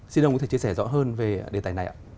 xin ông có thể chia sẻ rõ hơn về đề tài này ạ